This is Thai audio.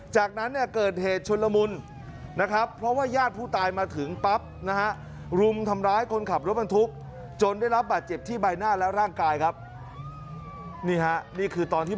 จากนั้นเกิดเหตุชนละมุน